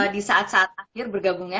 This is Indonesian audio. di saat saat akhir bergabungnya